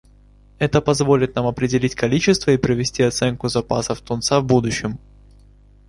Это позволит нам определить количество и провести оценку запасов тунца в будущем.